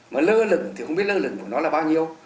mà lơ lửng thì không biết lơ lửng của nó là bao nhiêu